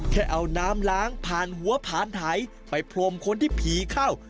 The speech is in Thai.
แค่เอาน้ำล้างผ่านหัวผ่านไถไปพรมคนที่ผีเข้า